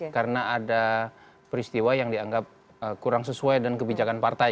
karena ada peristiwa yang dianggap kurang sesuai dengan kebijakan partai